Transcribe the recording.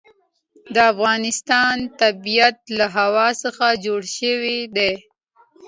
د افغانستان طبیعت له هوا څخه جوړ شوی دی.